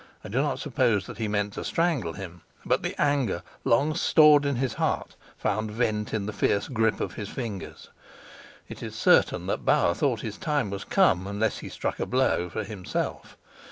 I do not suppose that he meant to strangle him, but the anger, long stored in his heart, found vent in the fierce grip of his fingers. It is certain that Bauer thought his time was come, unless he struck a blow for himself.